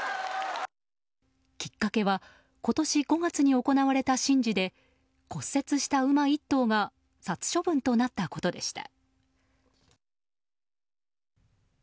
きっかけは今年５月に行われた神事で骨折した馬１頭が殺処分となったことでした。